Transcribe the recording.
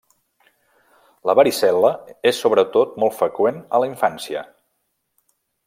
La varicel·la és sobretot molt freqüent a la infància.